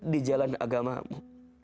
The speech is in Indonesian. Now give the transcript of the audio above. di jalan agama mu